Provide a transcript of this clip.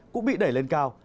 cũng bị đẩy lên cao